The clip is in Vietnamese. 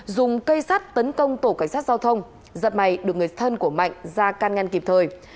dùng cây sắt tấn công tổ cảnh sát giao thông giật may được người thân của mạnh ra can ngăn kịp thời